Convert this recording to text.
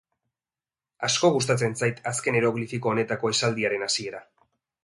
Asko gustatzen zait zen azken eroglifiko honetako esaldiaren hasiera.